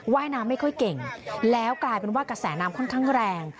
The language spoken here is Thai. ว่ายน้ำไม่ค่อยเก่งแล้วกลายเป็นว่ากระแสน้ำค่อนข้างแรง